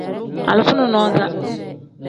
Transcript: Alifa nonaza.